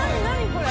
これ。